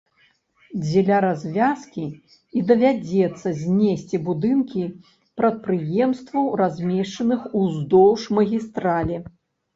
Дзеля развязкі і давядзецца знесці будынкі прадпрыемстваў, размешчаных уздоўж магістралі.